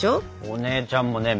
お姉ちゃんもね